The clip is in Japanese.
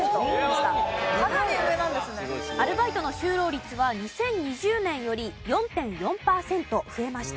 アルバイトの就労率は２０２０年より４．４パーセント増えました。